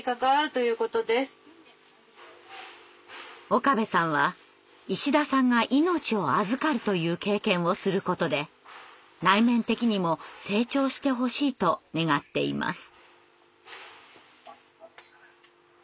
岡部さんは石田さんが命を預かるという経験をすることで内面的にも成長してほしいと願っています。